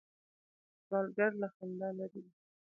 سوالګر له خندا لرې وي